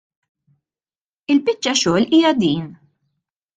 Il-biċċa xogħol hija din.